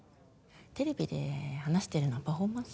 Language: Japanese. テレビで話してるのはパフォーマンス？